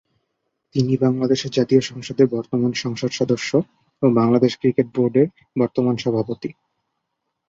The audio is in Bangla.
তিনি বাংলাদেশের জাতীয় সংসদের বর্তমান সংসদ সদস্য ও বাংলাদেশ ক্রিকেট বোর্ডের বর্তমান সভাপতি।